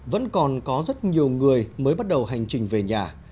vẫn còn có rất nhiều người mới bắt đầu hành trình về nhà